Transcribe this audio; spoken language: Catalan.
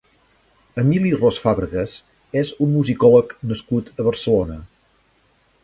Emili Ros-Fàbregas és un musicòleg nascut a Barcelona.